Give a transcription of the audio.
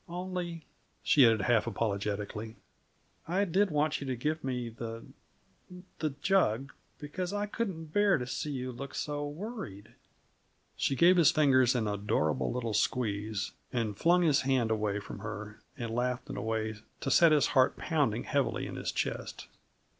Only," she added half apologetically, "I did want you to give me the the jug, because I couldn't bear to see you look so worried." She gave his fingers an adorable little squeeze, and flung his hand away from her, and laughed in a way to set his heart pounding heavily in his chest.